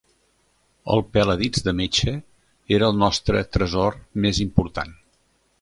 El peladits de metxa era el nostre tresor més important